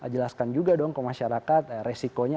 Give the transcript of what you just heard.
jelaskan juga dong ke masyarakat resikonya